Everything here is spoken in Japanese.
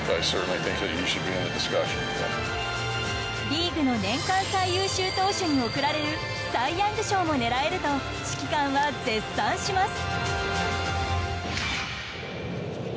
リーグの年間最優秀投手に贈られるサイ・ヤング賞も狙えると指揮官は絶賛します。